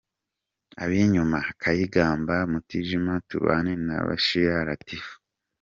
Ab’inyuma:Kayigamba ,Mutijima ,Tubane na Bishira Latifu.